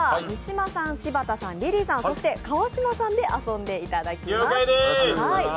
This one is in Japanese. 三島さん、柴田さん、リリーさん、そして川島さんで遊んでいただきます。